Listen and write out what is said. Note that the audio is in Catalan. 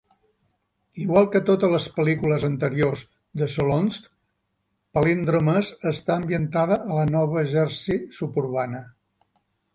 Igual que totes les pel·lícules anteriors de Solondz, "Palindromes" està ambientada a la Nova Jersey suburbana.